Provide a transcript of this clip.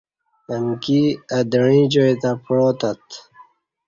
امکی اہ دعیں جائی تہ پعاتت